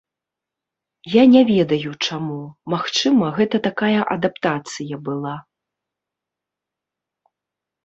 Я не ведаю чаму, магчыма, гэта такая адаптацыя была.